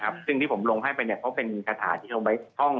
ครับซึ่งที่ผมลงให้ไปเนี่ยเขาเป็นคาถารุมไปท่อง